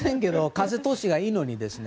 風通しがいいのにね。